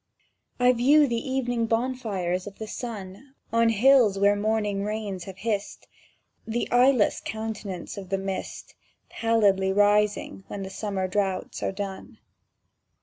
I view the evening bonfires of the sun On hills where morning rains have hissed; The eyeless countenance of the mist Pallidly rising when the summer droughts are done.